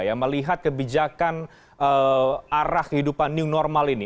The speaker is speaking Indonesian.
yang melihat kebijakan arah kehidupan new normal ini